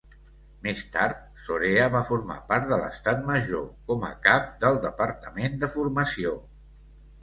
Més tard, Zorea va formar part de l'Estat Major com a cap del departament de formació.